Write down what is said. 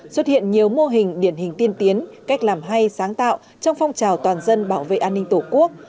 xuất hiện nhiều mô hình điển hình tiên tiến cách làm hay sáng tạo trong phong trào toàn dân bảo vệ an ninh tổ quốc